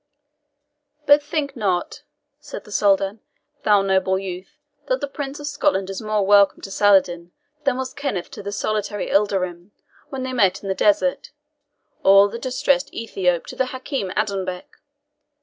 "But think not," said the Soldan, "thou noble youth, that the Prince of Scotland is more welcome to Saladin than was Kenneth to the solitary Ilderim when they met in the desert, or the distressed Ethiop to the Hakim Adonbec.